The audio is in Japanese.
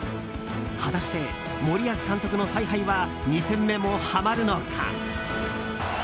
果たして、森保監督の采配は２戦目もハマるのか？